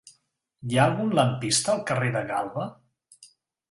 Hi ha algun lampista al carrer de Galba?